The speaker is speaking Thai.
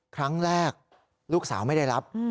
ครั้งแรกลูกสาวไม่ได้รับ